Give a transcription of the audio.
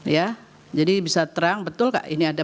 ya jadi bisa terang betul nggak